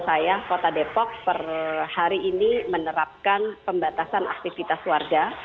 saya kota depok per hari ini menerapkan pembatasan aktivitas warga